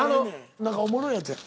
何かおもろいやつや。